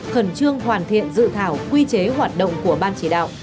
khẩn trương hoàn thiện dự thảo quy chế hoạt động của ban chỉ đạo